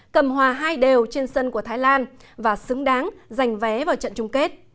cầm hòa hai đều trên sân của thái lan và xứng đáng giành vé vào trận chung kết